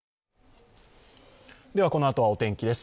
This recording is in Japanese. このあとはお天気です。